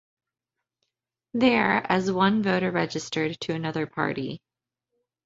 There as one voter registered to another party.